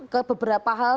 ke beberapa hal